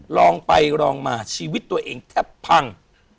ลองไปลองมาชีวิตตัวเองแทบพัง